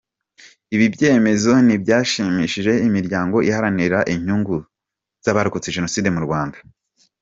Ibi byemezo ntibyashimishije imiryango iharanira inyungu z’abarokotse Jenoside mu Rwanda.